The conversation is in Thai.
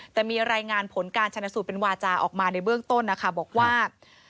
แต่มีรายงานผลการชนสูตรเป็นวาจาออกมาในเบื้องต้นนะคะบอกว่า